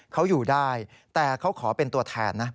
เขาอยู่ได้แต่เขาขอเป็นตัวแทนนะ